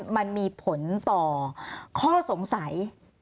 มันมีผลต่อข้อสงสัย